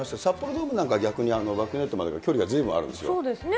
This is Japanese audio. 札幌ドームなんか、逆にバックネットまでの距離がずいぶんあるんですよね。